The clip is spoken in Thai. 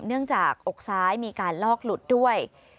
อกจากอกซ้ายมีการลอกหลุดด้วย